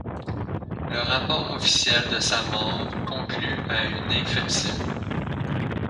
Le rapport officiel de sa mort conclut à une infection.